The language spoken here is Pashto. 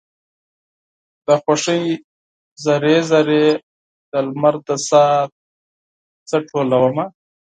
د خوښۍ ذرې، ذرې د لمر د ساه څه ټولومه